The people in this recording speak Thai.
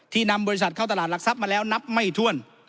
นำบริษัทเข้าตลาดหลักทรัพย์มาแล้วนับไม่ถ้วน